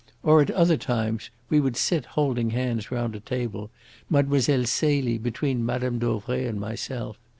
Or at other times we would sit holding hands round a table, Mlle. Celie between Mme. Dauvray and myself.